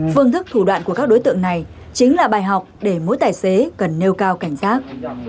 phương thức thủ đoạn của các đối tượng này chính là bài học để mỗi tài xế cần nêu cao cảnh giác